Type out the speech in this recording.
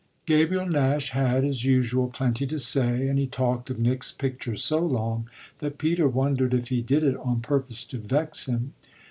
Gabriel Nash had, as usual, plenty to say, and he talked of Nick's picture so long that Peter wondered if he did it on purpose to vex him.